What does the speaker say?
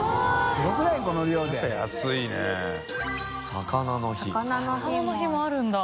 「魚の日」「魚の日」もあるんだ。